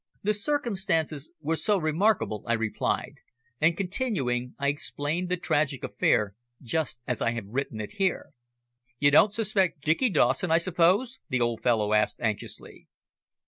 "The circumstances were so remarkable," I replied, and continuing, I explained the tragic affair just as I have written it here. "You don't suspect Dicky Dawson, I suppose?" the old fellow asked anxiously.